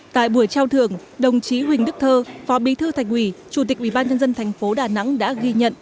tại buổi trao thưởng đồng chí huỳnh đức thơ phó bí thư thành ủy chủ tịch ubnd tp đà nẵng đã ghi nhận